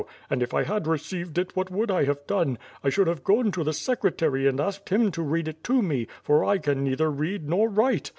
And if I had received it,* what would I have done? I should have gone to the secre tary and asked him to read it to me, for I can neither read nor write.